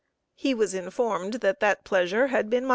He was informed that that pleasure had been mine.